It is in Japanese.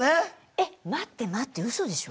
えっ待って待ってうそでしょ？